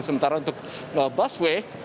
sementara untuk busway